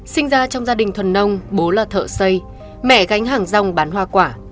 sinh ra trong gia đình thuần nông bố là thợ xây mẹ gánh hàng rong bán hoa quả